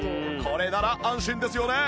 これなら安心ですよね！